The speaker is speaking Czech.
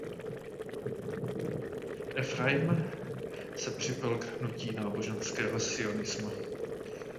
Efrajim se připojil k hnutí náboženského sionismu.